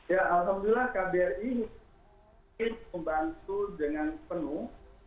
ya alhamdulillah kbri membantu dengan penuh